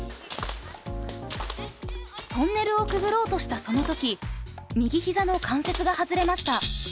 トンネルをくぐろうとしたその時右膝の関節が外れました。